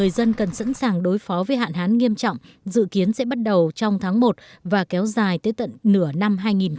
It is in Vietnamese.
dân cần sẵn sàng đối phó với hạn hán nghiêm trọng dự kiến sẽ bắt đầu trong tháng một và kéo dài tới tận nửa năm hai nghìn hai mươi